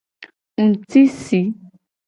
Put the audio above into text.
Ngtisi.